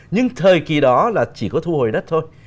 nhưng thời kỳ đó là chỉ có thu hồi đất thôi